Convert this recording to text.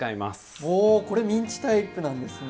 おおこれミンチタイプなんですね。